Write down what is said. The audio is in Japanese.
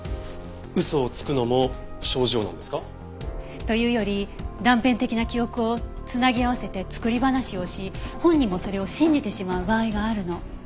嘘をつくのも症状なんですか？というより断片的な記憶を繋ぎ合わせて作り話をし本人もそれを信じてしまう場合があるの。